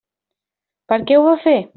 Per què ho va fer?